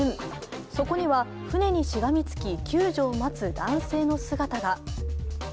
そこには船にしがみつき救助を待つ男性の姿が。